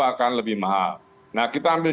akan lebih mahal nah kita ambil